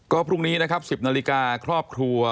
ก็พรุ่งนี้นะครับ๑๐นาฬิกาครอบครัว